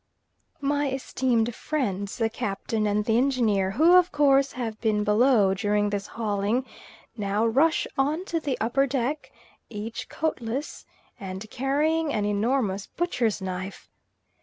My esteemed friends, the Captain and the Engineer, who of course have been below during this hauling, now rush on to the upper deck, each coatless, and carrying an enormous butcher's knife.